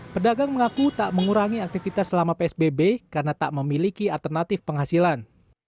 pedagang mengaku tak mengurangi aktivitas selama psbb karena tak memiliki alternatif penghasilan